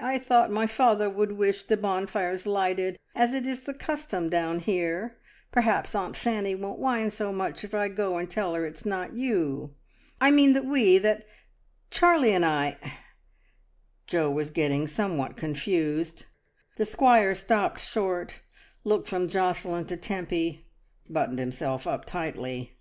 I thought my father would wish the bonfires lighted, as it is the custom down here; per haps Aunt Fanny won't mind so much if I go and tell her it's not you. I mean that we — that Charlie and I " Jo was getting somewhat confused. The squire stopped short, looked from Josselin to Tempy, buttoned himself up tightly.